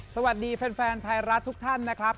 สวัสดีแฟนไทยรัฐทุกท่านนะครับ